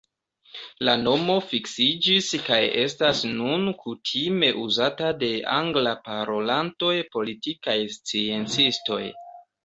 La nomo fiksiĝis kaj estas nun kutime uzata de angla-parolantaj politikaj sciencistoj.